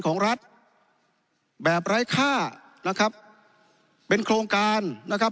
ของรัฐแบบไร้ค่านะครับเป็นโครงการนะครับ